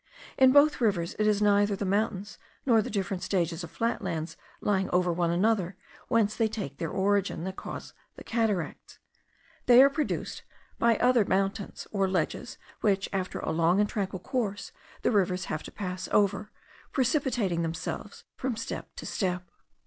In both rivers it is neither the mountains, nor the different stages of flat lands lying over one another, whence they take their origin, that cause the cataracts; they are produced by other mountains, other ledges which, after a long and tranquil course, the rivers have to pass over, precipitating themselves from step to step.